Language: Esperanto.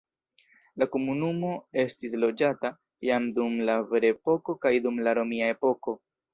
La komunumo estis loĝata jam dum la ferepoko kaj dum la romia epoko.